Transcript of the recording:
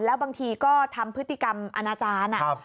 แล้วบางทีก็ทำพฤติกรรมอนาจารย์